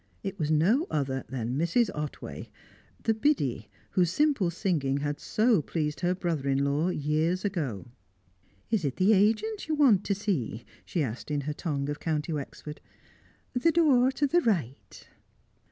It was no other than Mrs. Otway, the "Biddy" whose simple singing had so pleased her brother in law years ago. "Is it the agent you want to see?" she asked, in her tongue of County Wexford. "The door to the right."